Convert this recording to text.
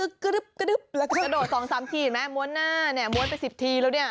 กระโดดสองสามทีเห็นไหมมวลหน้าเนี่ยมวลไปสิบทีแล้วเนี่ย